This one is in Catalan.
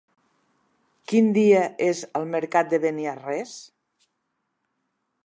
Quin dia és el mercat de Beniarrés?